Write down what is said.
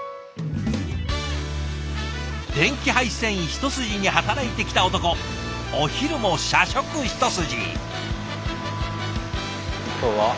電気配線一筋に働いてきた男お昼も社食一筋。